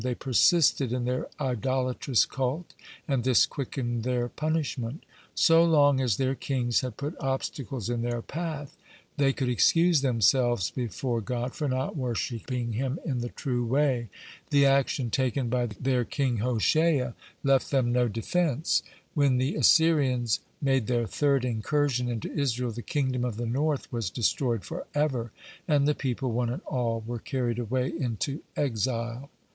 They persisted in their idolatrous cult, and this quickened their punishment. So long as their kings had put obstacles in their path, they could excuse themselves before God for not worshipping Him in the true way. The action taken by their king Hoshea left them no defense. When the Assyrians made their third incursion into Israel, the kingdom of the north was destroyed forever, and the people, one and all, were carried away into exile.